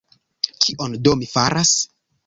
Kion do mi faras?